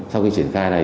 sau khi triển khai này